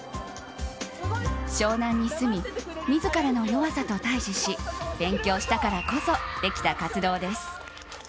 湘南に住み、自らの弱さと対峙し勉強したからこそできた活動です。